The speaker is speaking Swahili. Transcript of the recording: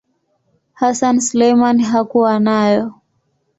Hassan Suleiman hakuwa nayo.